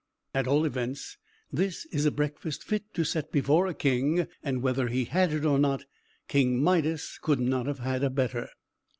At all events, this is a breakfast fit to set before a king; and, whether he had it or not, King Midas could not have had a better.